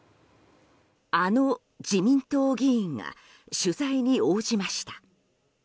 あの自民党議員が取材に応じました。